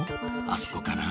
あそこかな？